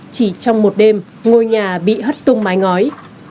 chỉ trong một đêm ngôi nhà bị hất tung mái ngói